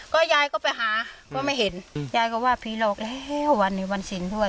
ก็ยายก็ไปหาก็ไม่เห็นยายก็ว่าผีหลอกแล้ววันนี้วันสินด้วย